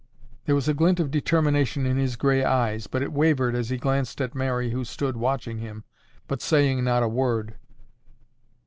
There was a glint of determination in his gray eyes, but it wavered as he glanced at Mary who stood watching him, but saying not a word.